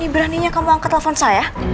beraninya kamu angkat telepon saya